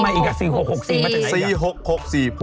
ทำไมอีกอ่ะ๔๖๖๔มาจากไหนอีกอ่ะ